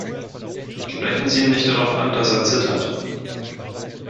Sprechen Sie ihn nicht darauf an, dass er zittert.